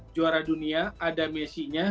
juara dunia ada messi nya